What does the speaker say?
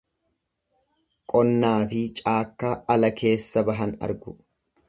Qonnaafi caakkaa ala keessa bahan argu.